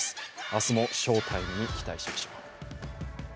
明日も翔タイムに期待しましょう。